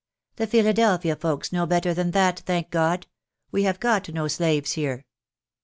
" The Philadelphia folks know better than that, thank God! We have got no slaves here."